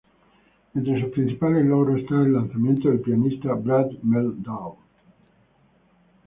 Entre sus principales logros, está el lanzamiento del pianista Brad Mehldau.